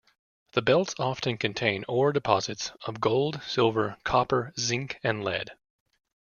The belts often contain ore deposits of gold, silver, copper, zinc and lead.